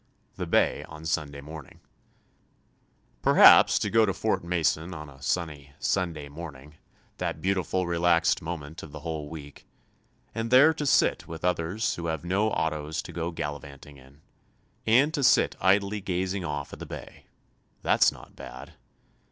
The Bay on Sunday Morning Perhaps to go to Fort Mason on a sunny Sunday morning, that beautiful relaxed moment of the whole week, and there to sit with others who have no autos to go gallivanting in, and to sit idly gazing off at the bay. That's not bad.